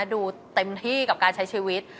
ดูเต็มที่กับการใช้ชีวิต